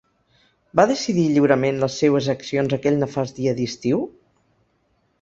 Va decidir lliurement les seues accions aquell nefast dia d’estiu?